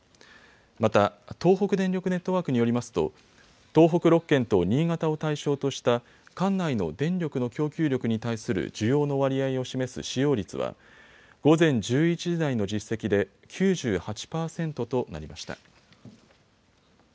また東北電力ネットワークによりますと東北６県と新潟を対象とした管内の電力の供給力に対する需要の割合を示す使用率は午前１１時台の実績で９８％となりました。